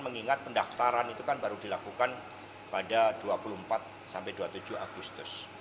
mengingat pendaftaran itu kan baru dilakukan pada dua puluh empat sampai dua puluh tujuh agustus